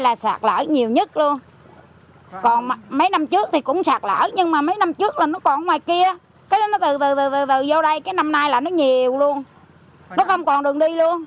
một năm nay là sạt lỡ nhiều nhất luôn còn mấy năm trước thì cũng sạt lỡ nhưng mà mấy năm trước là nó còn ngoài kia cái đó nó từ từ từ từ vô đây cái năm nay là nó nhiều luôn nó không còn đường đi luôn